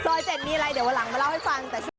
๗มีอะไรเดี๋ยววันหลังมาเล่าให้ฟัง